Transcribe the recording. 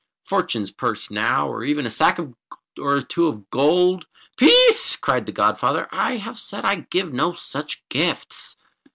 Fortunatus's Purse now, or even a sack or two of gold " "Peace!" cried the godfather; "I have said that I give no gifts."